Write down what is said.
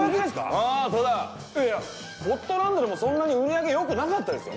あそうだ。いやホットランドでもそんなに売り上げよくなかったですよ。